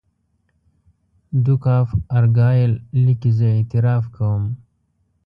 ډوک آف ارګایل لیکي زه اعتراف کوم.